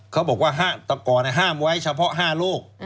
เขาบอกว่าตะกรห้ามไว้เฉพาะ๕โรค